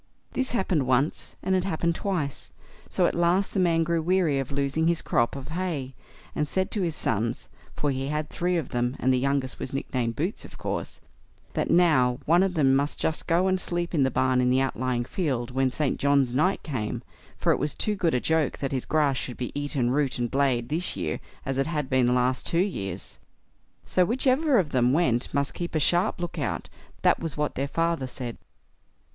This happened once, and it happened twice; so at last the man grew weary of losing his crop of hay, and said to his sons—for he had three of them, and the youngest was nicknamed Boots, of course—that now one of them must just go and sleep in the barn in the outlying field when St. John's night came, for it was too good a joke that his grass should be eaten, root and blade, this year, as it had been the last two years. So whichever of them went must keep a sharp look out; that was what their father said.